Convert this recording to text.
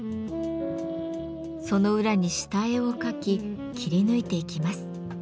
その裏に下絵を描き切り抜いていきます。